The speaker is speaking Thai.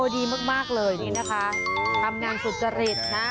ดีมากเลยนี่นะคะทำงานสุจริตนะ